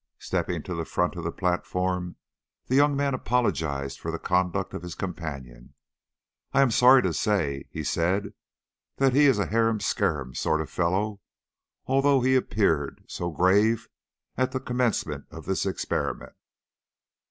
Stepping to the front of the platform, the young man apologised for the conduct of his companion. "I am sorry to say," he said, "that he is a harum scarum sort of fellow, although he appeared so grave at the commencement of this experiment.